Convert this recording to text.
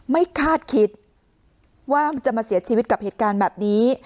คาดคิดว่ามันจะมาเสียชีวิตกับเหตุการณ์แบบนี้